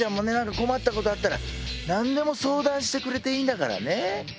何か困ったことあったら何でも相談してくれていいんだからね。